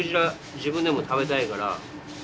自分でも食べたいから。